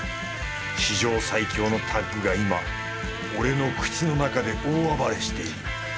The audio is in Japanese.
史上最強のタッグが今俺の口の中で大暴れしている。